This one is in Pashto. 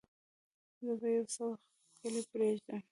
زه به يو څه وخت کلی پرېږدم.